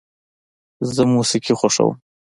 زه موسیقي خوښوم.